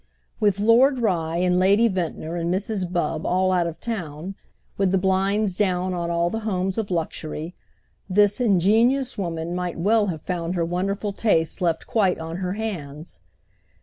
With Lord Rye and Lady Ventnor and Mrs. Bubb all out of town, with the blinds down on all the homes of luxury, this ingenious woman might well have found her wonderful taste left quite on her hands.